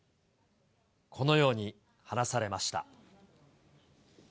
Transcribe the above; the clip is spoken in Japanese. このように話されました。